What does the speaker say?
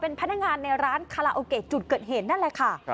พนักงานในร้านคาราโอเกะจุดเกิดเหตุนั่นแหละค่ะ